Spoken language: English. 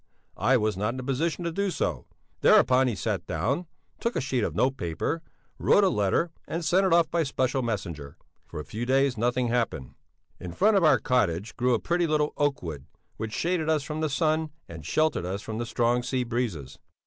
I was not in a position to do so. Thereupon he sat down, took a sheet of note paper, wrote a letter and sent it off by special messenger. For a few days nothing happened. In front of our cottage grew a pretty little oakwood which shaded us from the sun and sheltered us from the strong sea breezes.